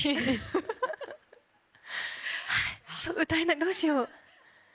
歌えないどうしよう。